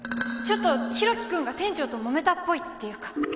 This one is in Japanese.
ちょっと大樹くんが店長ともめたっぽいっていうか